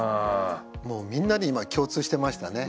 もうみんなに今共通してましたね。